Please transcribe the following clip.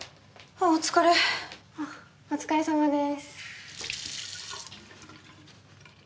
あっお疲れさまです。